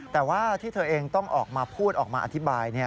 แต่ว่าที่เธอเองต้องออกมาพูดออกมาอธิบาย